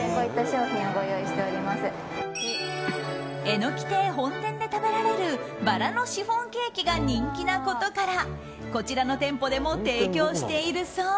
えの木てい本店で食べられるバラのシフォンケーキが人気なことからこちらの店舗でも提供しているそう。